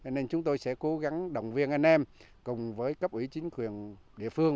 nên chúng tôi sẽ cố gắng động viên anh em cùng với cấp ủy chính quyền địa phương